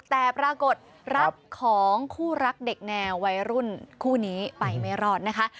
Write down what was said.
แต่ปรากฏรักของคู่รักเด็กแนววัยรุ่นคู่นี้ไปไม่รอดนะคะ